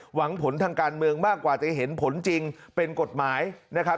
หวังผลทางการเมืองมากกว่าจะเห็นผลจริงเป็นกฎหมายนะครับ